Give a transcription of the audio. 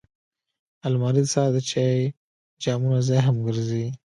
الماري د سهار د چای جامونو ځای هم ګرځي